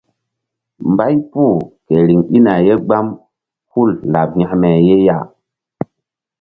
Mbay puh ke riŋ ɗina ye gbam hul laɓ hekme ye ya.